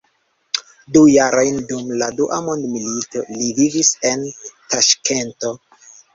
Du jarojn dum la Dua mondmilito li vivis en Taŝkento.